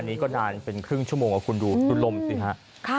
อันนี้ก็นานเป็นครึ่งชั่วโมงคุณดูดูลมสิฮะ